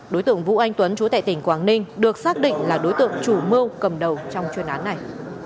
đối tượng vũ anh tuấn chú tại tỉnh quảng ninh được xác định là đối tượng chủ mưu cầm đầu trong chuyên án này